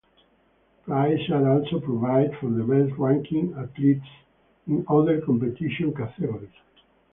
Prizes are also provided for the best ranking athletes in other competition categories.